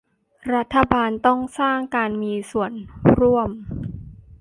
รัฐบาลต้องสร้างการมีส่วนร่วม